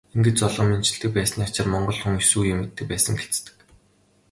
Ингэж золгон мэндчилдэг байсны ачаар монгол хүн есөн үеэ мэддэг байсан гэлцдэг.